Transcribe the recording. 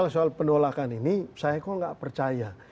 soal penolakan ini saya kok nggak percaya